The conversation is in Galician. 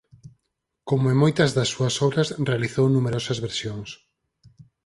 Como en moitas das súas obras realizou numerosas versións.